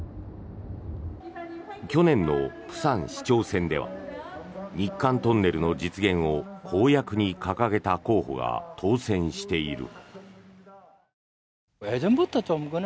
去年の釜山市長選では日韓トンネルの実現を公約に掲げた候補が当選している。